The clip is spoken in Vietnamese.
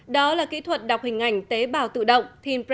đó là kỹ thuật đọc hình ảnh tế bào tự động teampi